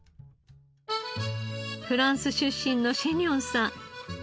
フランス出身のシェニョンさん。